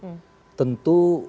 jadi kalau ada rencana reshuffle